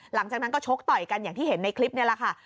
หลังจากนั้นก็ชกต่อยกันอย่างที่เห็นในคลิปนี่แหละค่ะ